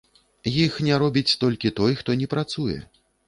Іх не робіць толькі той, хто не працуе.